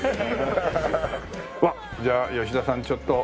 じゃあ吉田さんちょっと。